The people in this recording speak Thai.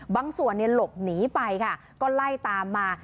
บางส่วนหลบหนีไปค่ะก็ไล่ตามมา